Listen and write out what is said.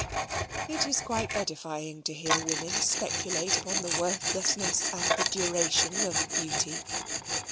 It is quite edifying to hear women speculate upon the worthlessness and the duration of beauty.